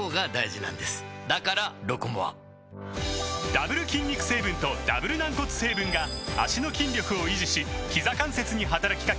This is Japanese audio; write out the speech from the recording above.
ダブル筋肉成分とダブル軟骨成分が脚の筋力を維持しひざ関節に働きかけ